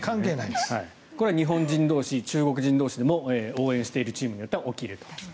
これは日本人同士、中国人同士でも応援しているチームによっては起きると。